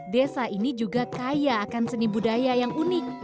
desa ini juga kaya akan seni budaya yang unik